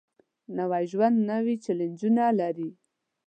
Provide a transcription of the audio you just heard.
نوی ژوند نوې چیلنجونه لري